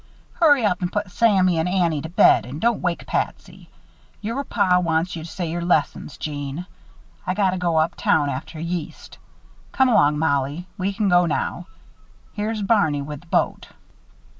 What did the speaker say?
"Hurry up and put Sammy and Annie to bed and don't wake Patsy. Your pa wants you to say your lessons, Jeanne. I gotta go up town after yeast. Come along, Mollie, we can go now. Here's Barney with the boat."